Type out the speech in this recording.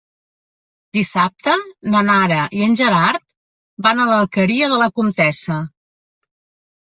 Dissabte na Nara i en Gerard van a l'Alqueria de la Comtessa.